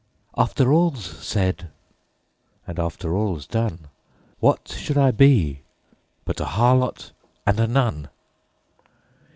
After all's said and after all's done, What should I be but a harlot and a nun?